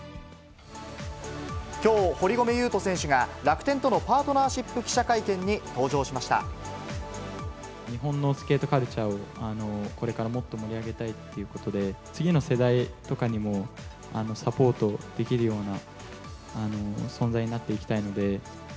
きょう、堀米雄斗選手が、楽天とのパートナーシップ記者会見に登場しまし日本のスケートカルチャーを、これからもっと盛り上げたいということで、次の世代とかにもサポートできるような存在になっていきたいので。